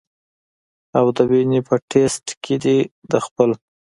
او د وینې پۀ ټېسټ کښې دې د خپل